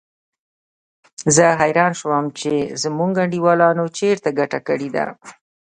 زه حیران شوم چې زموږ انډیوالانو چېرته ګټه کړې ده.